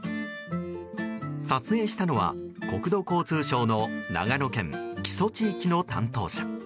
撮影したのは、国土交通省の長野県木曽地域の担当者。